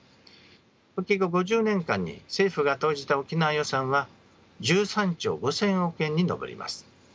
復帰後５０年間に政府が投じた沖縄予算は１３兆５，０００億円に上ります。